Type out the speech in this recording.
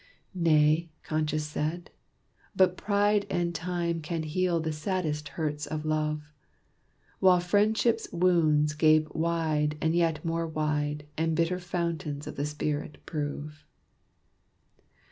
"Nay!" Conscience said, "but Pride And Time can heal the saddest hurts of Love. While Friendship's wounds gape wide and yet more wide, And bitter fountains of the spirit prove."